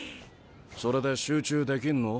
それで集中できんの？